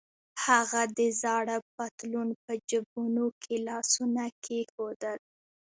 هغه د زاړه پتلون په جبونو کې لاسونه کېښودل.